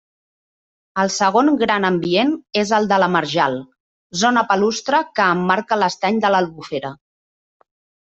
El segon gran ambient és el de la marjal, zona palustre que emmarca l'estany de l'Albufera.